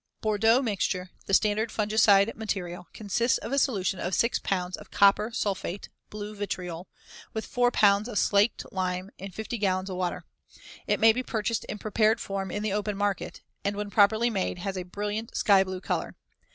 Bordeaux mixture, the standard fungicide material, consists of a solution of 6 pounds of copper sulphate (blue vitriol) with 4 pounds of slaked lime in 50 gallons of water. It may be purchased in prepared form in the open market, and when properly made, has a brilliant sky blue color.